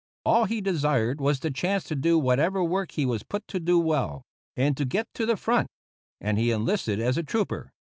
All he desired was the chance to do whatever work he was put to do well, and to get to the front; and he enlisted as a trooper.